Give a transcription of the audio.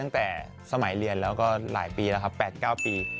ตั้งแต่สมัยเรียนแล้วก็หลายปีแล้วครับ๘๙ปี